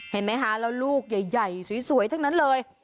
เห็นไหมคะแล้วลูกใหญ่สวยทั้งนั้นเลย